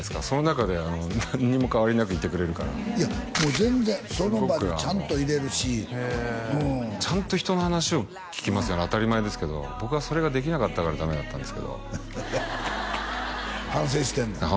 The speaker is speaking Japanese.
その中で何にも変わりなく居てくれるからもう全然その場でちゃんと居れるしちゃんと人の話を聞きますよね当たり前ですけど僕はそれができなかったからダメだったんですけど反省してんの？